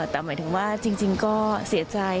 แต่หมายถึงว่าจริงก็เสียใจ